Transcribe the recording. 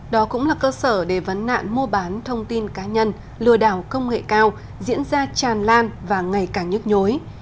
đó cũng là cơ sở để vấn nạn mua bán thông tin cá nhân lừa đảo công nghệ cao diễn ra tràn lan và ngày càng nhức nhối